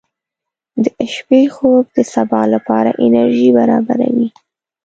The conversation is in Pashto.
• د شپې خوب د سبا لپاره انرژي برابروي.